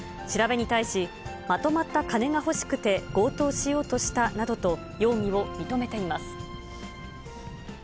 調べに対し、まとまった金が欲しくて強盗しようとしたなどと容疑を認めています。